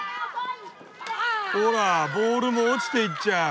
ほらボールも落ちていっちゃう。